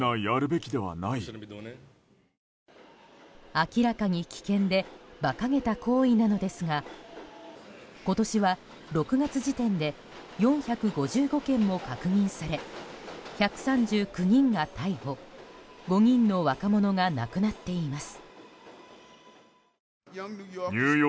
明らかに危険で馬鹿げた行為なのですが今年は６月時点で４５５件も確認され１３９人が逮捕５人の若者が亡くなっています。